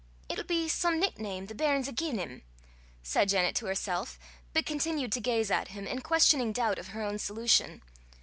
"It'll be some nickname the bairns hae gi'en him," said Janet to herself, but continued to gaze at him, in questioning doubt of her own solution.